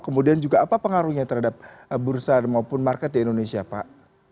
kemudian juga apa pengaruhnya terhadap bursa maupun market di indonesia pak